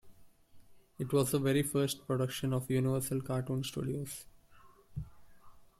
It was the very first production of Universal Cartoon Studios.